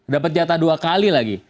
dapat jatah dua kali lagi